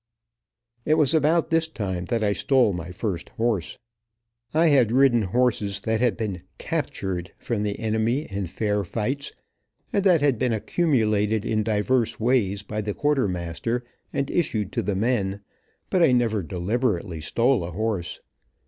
It was about this time that I stole my first horse. I had ridden horses that had been "captured" from the enemy, in fair fights, and that had been accumulated in divers ways by the quartermaster, and issued to the men, but I never deliberately stole a horse.